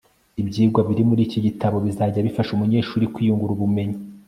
ibyigwa biri muri iki gitabo bizajya bifasha umunyeshuri kwiyungura ubumenyi